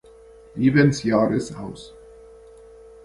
Lebensjahres aus.